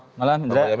selamat malam indra